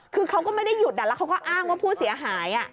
คือเขาก็ไม่ได้หยุดแล้วเขาก็อ้างว่าผู้เสียหาย